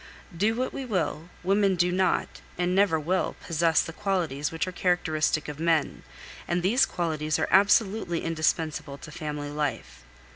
Do what we will, women do not, and never will, possess the qualities which are characteristic of men, and these qualities are absolutely indispensable to family life.